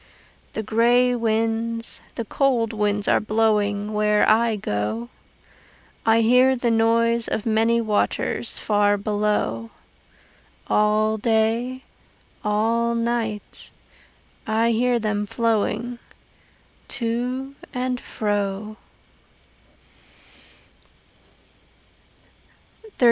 The grey winds, the cold winds are blowing Where I go. I hear the noise of many waters Far below. All day, all night, I hear them flowing To and fro.